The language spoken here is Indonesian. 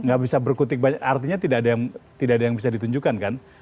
nggak bisa berkutik banyak artinya tidak ada yang bisa ditunjukkan kan